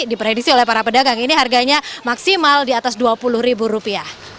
dipredisi oleh para pedagang ini harganya maksimal di atas dua puluh ribu rupiah